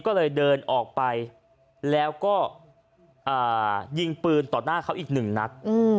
ก็เลยเดินออกไปแล้วก็ยิงปืนต่อหน้าเขาอีกหนึ่งนัด